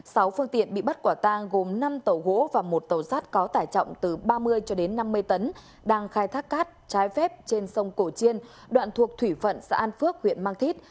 sáu phương tiện bị bắt quả tang gồm năm tàu gỗ và một tàu sắt có tải trọng từ ba mươi cho đến năm mươi tấn đang khai thác cát trái phép trên sông cổ chiên đoạn thuộc thủy phận xã an phước huyện mang thít